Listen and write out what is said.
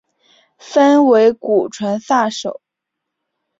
分为古传散手。